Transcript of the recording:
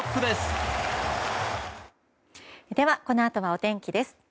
では、このあとはお天気です。